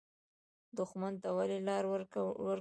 دښمن ته ولې لار ورکړو؟